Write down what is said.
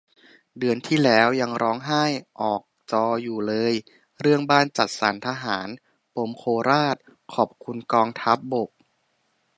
เดือนที่แล้วยังร้องไห้ออกจออยู่เลย เรื่องบ้านจัดสรรทหาร ปมโคราช ขอบคุณกองทัพบก